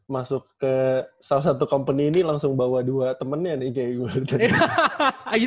masuk ke salah satu company ini langsung bawa dua temennya nih kayak gitu ya